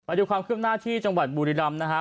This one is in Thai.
มาดูความเคลื่อนหน้าที่จังหวัดบูริรัมณ์นะฮะ